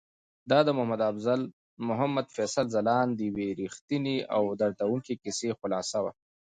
دا د محمد فیصل ځلاند د یوې رښتونې او دردونکې کیسې خلاصه وه.